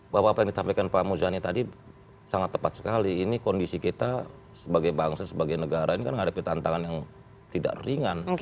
bahwa apa yang disampaikan pak muzani tadi sangat tepat sekali ini kondisi kita sebagai bangsa sebagai negara ini kan menghadapi tantangan yang tidak ringan